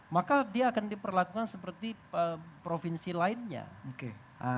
maka dia akan diperlakukan seperti provinsi lainnya